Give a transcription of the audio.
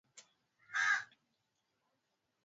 Alikasirika sana juzi